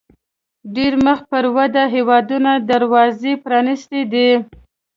ډېری مخ پر ودې هیوادونو دروازې پرانیستې دي.